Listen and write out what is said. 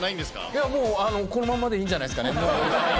いやもう、このまんまでいいんじゃないですかね。